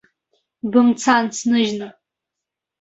Бымцан сныжьны!